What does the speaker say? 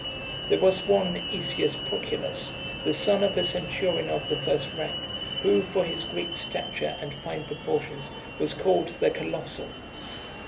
There was one Esius Proculus, the son of a centurion of the first rank, who, for his great stature and fine proportions, was called the Colossal.